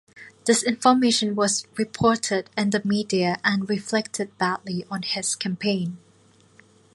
This information was reported in the media and reflected badly on his campaign.